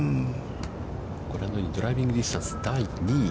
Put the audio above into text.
ご覧のように、ドライビングディスタンス、第２位。